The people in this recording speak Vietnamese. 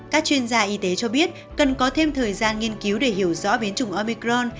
các chuyên gia y tế cho biết cần có thêm thời gian nghiên cứu để hiểu rõ biến chủng obicron